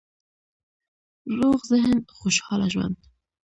روغ ذهن، خوشحاله ژوند